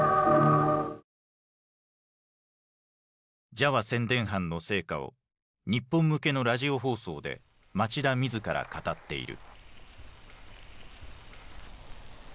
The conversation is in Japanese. ジャワ宣伝班の成果を日本向けのラジオ放送で町田自ら語っている。